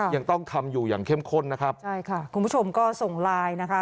ยังต้องทำอยู่อย่างเข้มข้นนะครับใช่ค่ะคุณผู้ชมก็ส่งไลน์นะคะ